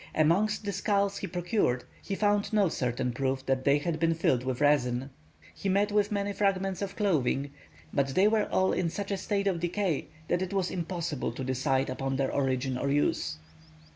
Amongst the skulls he procured, he found no certain proof that they had been filled with resin. He met with many fragments of clothing, but they were all in such a state of decay that it was impossible to decide upon their origin or use.